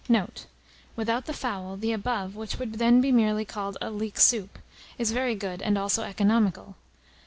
Note. Without the fowl, the above, which would then be merely called leek soup, is very good, and also economical.